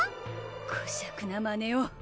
こしゃくなまねを！